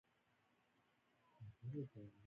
هغې وویل: نو هغه وخت په خطره کي نه وې؟